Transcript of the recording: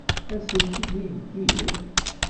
Ad sent-t-id-iheggi?